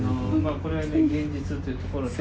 これが現実というところで。